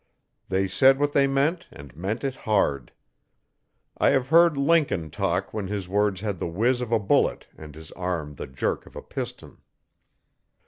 They said what they meant and meant it hard. I have heard Lincoln talk when his words had the whiz of a bullet and his arm the jerk of a piston.